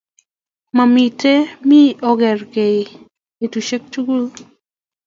Mamiten me ogergei betushiek tugul